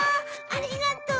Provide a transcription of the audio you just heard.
ありがとう！